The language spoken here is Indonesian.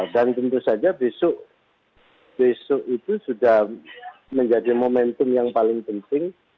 dan tentu saja besok itu sudah menjadi momentum yang paling penting